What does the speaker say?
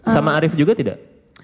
sama arief juga tidak